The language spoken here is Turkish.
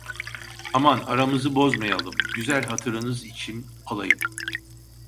Aman, aramızı bozmayalım, güzel hatırınız içim alayım!